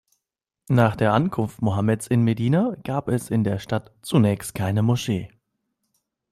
Nach der Ankunft Mohammeds in Medina gab es in der Stadt zunächst keine Moschee.